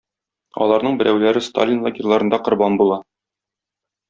Аларның берәүләре Сталин лагерьларында корбан була.